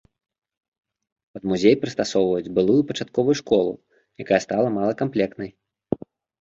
Пад музей прыстасоўваюць былую пачатковую школку, якая стала малакамплектнай.